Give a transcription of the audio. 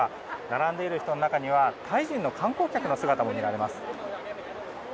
並んでいる人の中には、タイ人の観光客の姿も見られます。